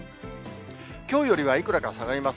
きょうよりはいくらか下がります。